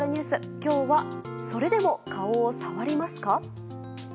今日はそれでも顔を触りますか？